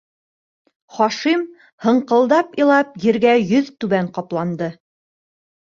Хашим һыңҡылдап илап ергә йөҙ түбән ҡапланды.